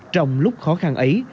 trong lúc khó khăn ấy